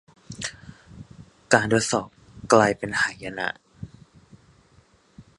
การทดสอบกลายเป็นหายนะ